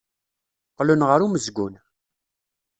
Qqlen ɣer umezgun.